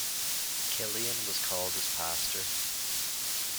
Kilian was called as Pastor.